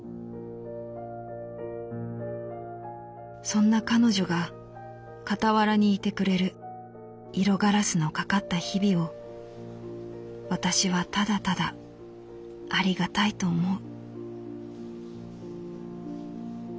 「そんな彼女がかたわらにいてくれる色ガラスのかかった日々を私はただただありがたいと思う」。